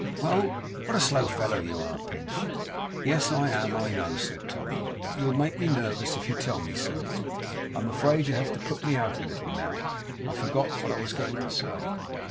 Well! What a slow fellow you are, Pinch!' 'Yes, I am I know,' said Tom; 'but you'll make me nervous if you tell me so. I'm afraid you have put me out a little now, for I forget what I was going to say.